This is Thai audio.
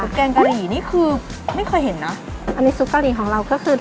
แกงกะหรี่นี่คือไม่เคยเห็นเนอะอันนี้ซุปกะหรี่ของเราก็คือ